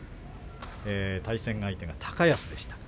対戦相手は高安でした。